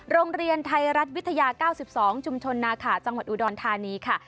โรงเรียนไทยรัฐวิทยา๙๒ชุมชนนาขาจังหวัดอุดรธานีค่ะ